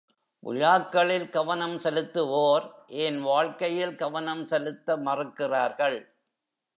விழாக்களில் கவனம் செலுத்துவோர் ஏன் வாழ்க்கையில் கவனம் செலுத்த மறுக்கிறார்கள்?